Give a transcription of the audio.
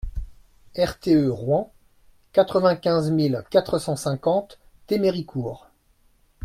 RTE ROUEN, quatre-vingt-quinze mille quatre cent cinquante Théméricourt